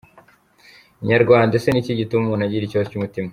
Inyarwanda: Ese n’iki gituma umuntu agira ikibazo cy’umutima?.